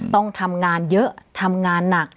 ต้องทำงานเยอะทำงานหนัก